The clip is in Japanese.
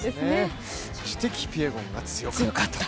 そしてキピエゴンが強かった。